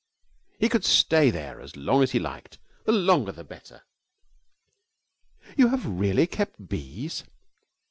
He could stay there as long as he liked, the longer the better. 'You have really kept bees?'